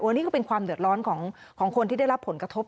อันนี้ก็เป็นความเดือดร้อนของคนที่ได้รับผลกระทบ